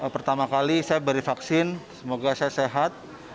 pertama kali saya beri vaksin semoga saya sehat